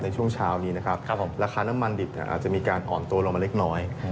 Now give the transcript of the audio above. ในช่วงเช้านี้นะครับราคาน้ำมันดิบอาจจะมีการอ่อนตัวลงมาเล็กน้อย